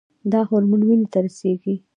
دا هورمون وینې ته رسیږي.